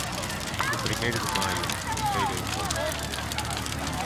O primeiro de maio, na feira eu vou.